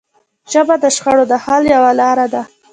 ژبه د شخړو د حل یوه لاره ده